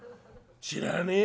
「知らねえ？